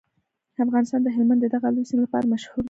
افغانستان د هلمند د دغه لوی سیند لپاره مشهور دی.